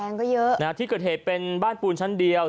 งก็เยอะนะฮะที่เกิดเหตุเป็นบ้านปูนชั้นเดียว